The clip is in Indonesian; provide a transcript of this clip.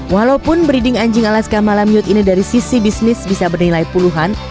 walaupun breeding anjing alaska malam yute ini dari sisi bisnis bisa bernilai puluhan